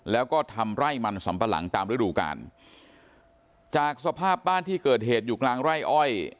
แล้วก็ทำไร่มันสำปะหลังตามฤดูกาลจากสภาพบ้านที่เกิดเหตุอยู่กลางไร่อ้อย